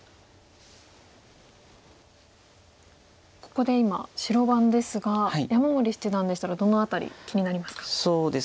ここで今白番ですが山森七段でしたらどの辺り気になりますか。